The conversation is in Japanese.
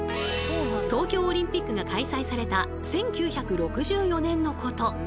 東京オリンピックが開催された１９６４年のこと。